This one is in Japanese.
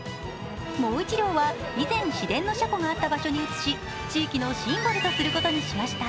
もう１両は以前、市電の車庫があった場所に移し、地域のシンボルとすることにしました。